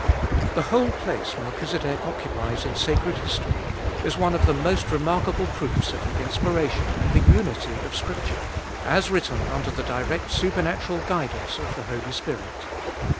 The whole place Melchizedek occupies in sacred history is one of the most remarkable proofs of the inspiration and the unity of Scripture, as written under the direct supernatural guidance of the Holy Spirit.